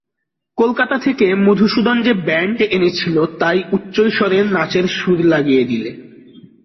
কলকাতা থেকে মধুসূদন যে ব্যান্ড এনেছিল তাই উচ্চৈঃস্বরে নাচের সুর লাগিয়ে দিলে।